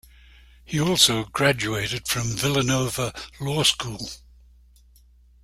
He also graduated from Villanova Law School.